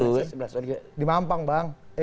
di mana sebelah studio di mampang bang